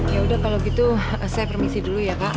yaudah kalau gitu saya permisi dulu ya pak